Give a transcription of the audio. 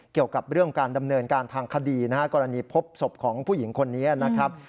เกี่ยวกับเรื่องการดำเนินการทางคดีนะฮะกรณีพบศพของผู้หญิงคนนี้นะครับ